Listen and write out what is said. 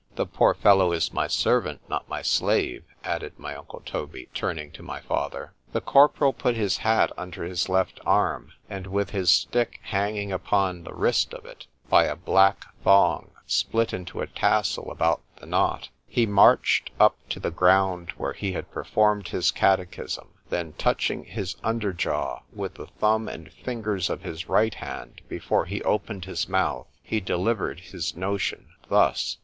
_—The poor fellow is my servant,—not my slave,—added my uncle Toby, turning to my father.—— The corporal put his hat under his left arm, and with his stick hanging upon the wrist of it, by a black thong split into a tassel about the knot, he marched up to the ground where he had performed his catechism; then touching his under jaw with the thumb and fingers of his right hand before he opened his mouth,——he delivered his notion thus.